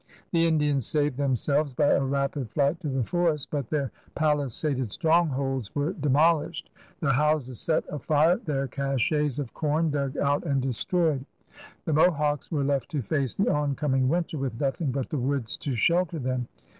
The Indians saved them selves by a rapid flight to the forests, but their palisaded strongholds were demolished, their houses set afire, their cachSs of com dug out and destroyed. The Mohawks were left to face the oncoming winter with nothing but the woods to shelter them.